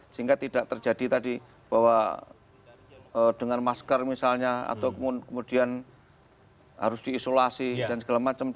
sehingga tidak terjadi tadi bahwa dengan masker misalnya atau kemudian harus diisolasi dan segala macam